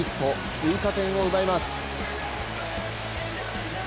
追加点を奪います。